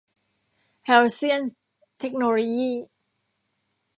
แฮลเซี่ยน เทคโนโลยี่